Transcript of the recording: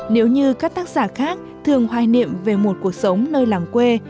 nếu như các tác giả khác thường hoài niệm về một cuộc sống nơi làng quê